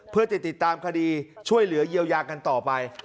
เพื่อจะติดตามคดีช่วยเหลือเยียวยากันต่อไป